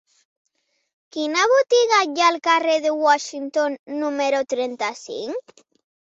Quina botiga hi ha al carrer de Washington número trenta-cinc?